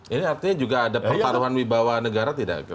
ini artinya juga ada pertaruhan wibawa negara tidak